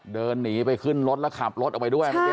เดินหนีไปขึ้นรถแล้วขับรถเอาไปด้วย